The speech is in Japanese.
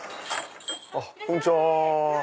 こんにちは。